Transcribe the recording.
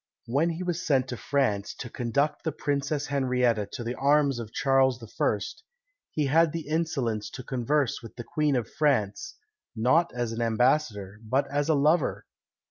When he was sent to France, to conduct the Princess Henrietta to the arms of Charles I., he had the insolence to converse with the Queen of France, not as an ambassador, but as a lover!